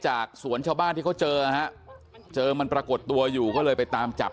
สวนชาวบ้านที่เขาเจอนะฮะเจอมันปรากฏตัวอยู่ก็เลยไปตามจับ